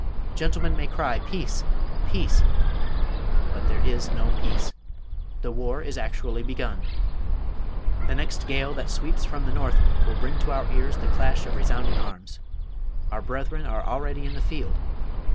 Gentlemen may cry "Peace, peace!" but there is no peace! The war is actually begun! The next gale that sweeps from the north will bring to our ears the clash of resounding arms! Our brethren are already in the field!